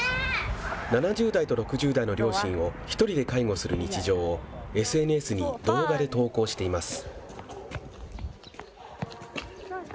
７０代と６０代の両親を一人で介護する日常をＳＮＳに動画で投稿しています。